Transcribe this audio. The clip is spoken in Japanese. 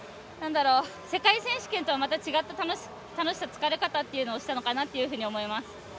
世界選手権とはまた違った楽しさ疲れ方をしたのかなと思います。